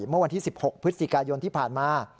เมื่อวันที่๑๖พฤศจิกายนที่ผ่านมา